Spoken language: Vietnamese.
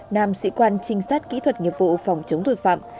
nam sĩ quan trinh sát kỹ thuật nghiệp vụ phòng chống tội phạm